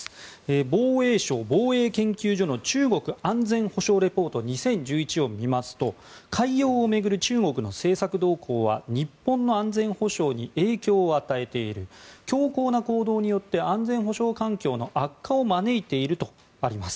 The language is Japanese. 防衛省防衛研究所の中国安全保障レポート２０１１を見ますと海洋を巡る中国の政策動向は日本の安全保障に影響を与えている強硬な行動によって安全保障環境の悪化を招いているとあります。